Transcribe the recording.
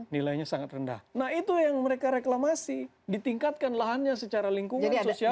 nilainya sangat rendah nah itu yang mereka reklamasi ditingkatkan lahannya secara lingkungan sosial